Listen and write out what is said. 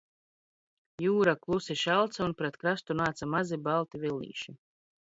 Jūra klusi šalca un pret krastu nāca mazi, balti vilnīši